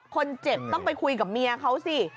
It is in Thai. คนเจ็บต้องไปคุยกับเมียเขาสิ